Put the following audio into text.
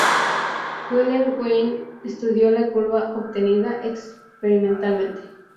Wilhelm Wien estudió la curva obtenida experimentalmente.